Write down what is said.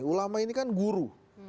ulama ini kan guru